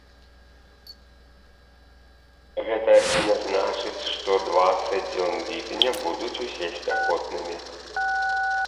Гэта не значыць, што дваццаць дзён ліпеня будуць усе спякотнымі.